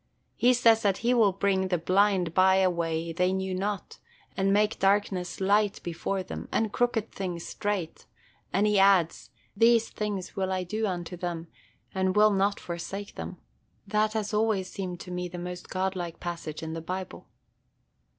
He says that he will bring the blind by a way they knew not, and 'make darkness light before them, and crooked things straight'; and he adds, 'These things will I do unto them, and will not forsake them.' That has always seemed to me the most godlike passage in the Bible."